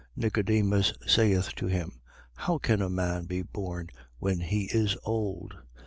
3:4. Nicodemus saith to him: How can a man be born when he is old?